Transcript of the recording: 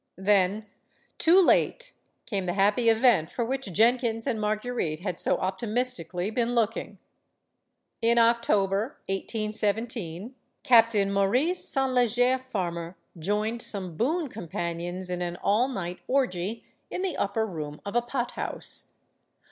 Then, too late, came the happy event for which Jen kins and Marguerite had so optimistically been look ing. In October, 1817, Captain Maurice St. Leger 212 STORIES OF THE SUPER WOMEN Farmer joined some boon companions in an all night orgy in the upper room of a pothouse.